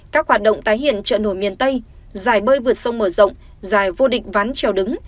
các hoạt động tái hiện trợ nổi miền tây giải bơi vượt sông mở rộng giải vô địch ván trèo đứng